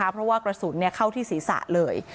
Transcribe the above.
เพราะว่ากระสุนเข้าที่ศีรษะเลย